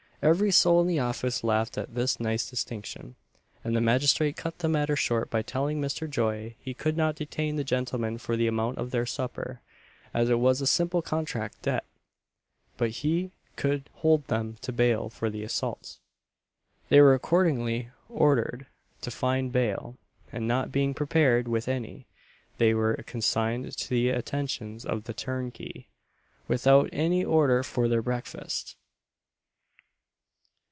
Every soul in the office laughed at this nice distinction; and the magistrate cut the matter short by telling Mr. Joy he could not detain the gentlemen for the amount of their supper, as it was a simple contract debt; but he could hold them to bail for the assault. They were accordingly ordered to find bail, and not being prepared with any, they were consigned to the attentions of the turnkey, without any order for their breakfast.